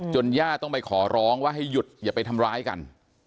ย่าต้องไปขอร้องว่าให้หยุดอย่าไปทำร้ายกัน